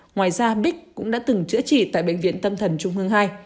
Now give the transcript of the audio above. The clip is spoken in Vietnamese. ngoài ra bích cũng đã từng chữa trị tại bệnh viện tâm thần trung hương ii